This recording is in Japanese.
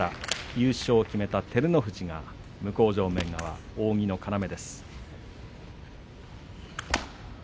優勝を決めた照ノ富士が向正面側は扇の要です。